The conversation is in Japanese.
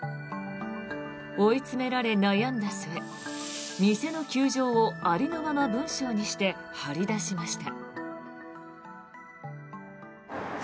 追い詰められ、悩んだ末店の窮状をありのまま文章にして張り出しました。